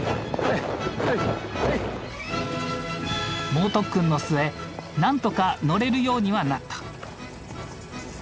猛特訓の末なんとか乗れるようにはなった。